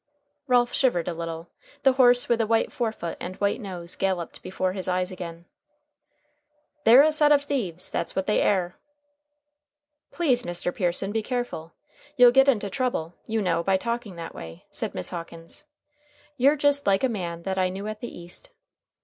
Ralph shivered a little. The horse with the white forefoot and white nose galloped before his eyes again. "They're a set of thieves. That's what they air." "Please, Mr. Pearson, be careful. You'll get into trouble, you know, by talking that way," said Miss Hawkins. "You're just like a man that I knew at the East."